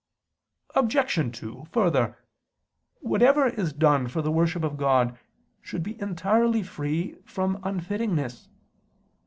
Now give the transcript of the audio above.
Obj. 2: Further, whatever is done for the worship of God, should be entirely free from unfittingness.